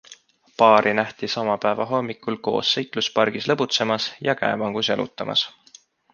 Paari nähti sama päeva hommikul koos seikluspargis lõbutsemas ja käevangus jalutamas.